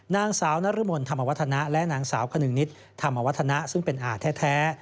นางสาวนรมนธรรมวัฒนะและนางสาวขนึงนิดธรรมวัฒนะซึ่งเป็นอาแท้